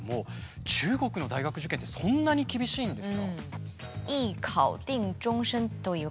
中国の大学受験ってそんなに厳しいんですか？という